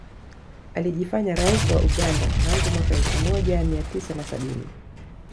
Alijifanya rais wa Uganda tangu mwaka elfu moja mia tisa na sabini